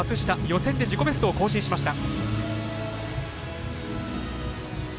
予選で自己ベストを更新しました。